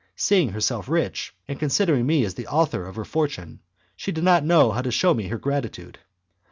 Seeing herself rich, and considering me as the author of her fortune, she did not know how to shew me her gratitude.